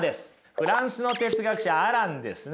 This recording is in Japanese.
フランスの哲学者アランですね。